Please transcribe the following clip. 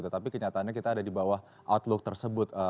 tetapi kenyataannya kita ada di bawah outlook tersebut